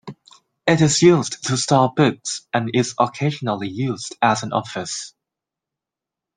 It is used to store books, and is occasionally used as an office.